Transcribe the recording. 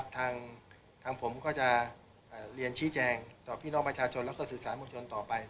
ทางผมก็จะเรียนชี้แจงต่อพี่น้องประชาชนแล้วก็สื่อสารมวลชนต่อไป